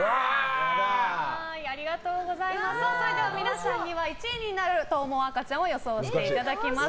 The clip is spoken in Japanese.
それでは、皆さんには１位になると思う赤ちゃんを予想していただきます。